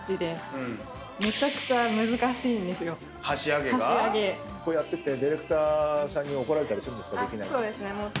箸あげが⁉やっててディレクターさんに怒られたりするんですか？